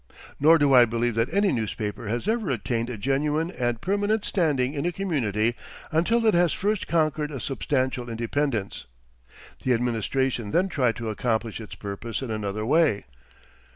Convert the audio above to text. Nor do I believe that any newspaper has ever attained a genuine and permanent standing in a community until it has first conquered a substantial independence. The administration then tried to accomplish its purpose in another way.